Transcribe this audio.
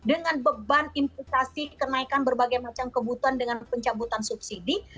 dengan beban investasi kenaikan berbagai macam kebutuhan dengan pencabutan subsidi